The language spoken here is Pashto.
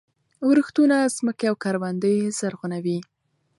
ورښتونه ځمکې او کروندې زرغونوي.